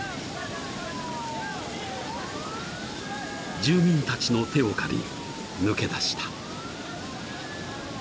［住民たちの手を借り抜け出した］